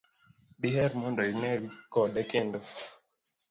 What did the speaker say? diher mondo ineri kode kendo?